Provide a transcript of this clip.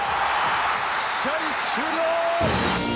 試合終了！